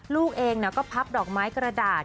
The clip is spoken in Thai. ลูกเองก็พับดอกไม้กระดาษ